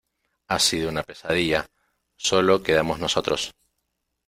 ha sido una pesadilla, solo quedamos nosotros.